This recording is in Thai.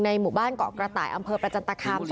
หมู่บ้านเกาะกระต่ายอำเภอประจันตคาม